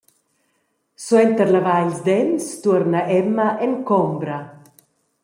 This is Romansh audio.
Suenter lavar ils dents tuorna Emma en combra.